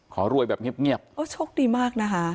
รวยแบบเงียบโอ้โชคดีมากนะคะ